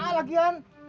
eh siapa lagian